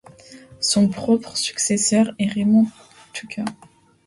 Son propre successeur est Raymond Tucker.